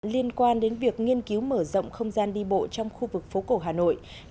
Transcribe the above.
liên quan đến việc nghiên cứu mở rộng không gian đi bộ trong khu vực phố cổ hà nội